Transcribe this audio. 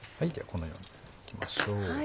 このようにむきましょう。